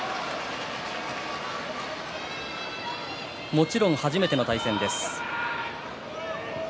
もちろん初めての対戦です。